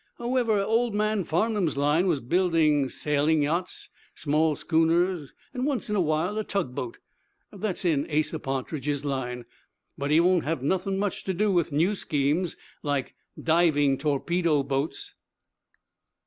However, old man Farnum's line was building sailing yachts, small schooners, and, once in a while, a tug boat. That's in Asa Partridge's line, but he won't have nothin' much to do with new schemes like diving torpedo boats."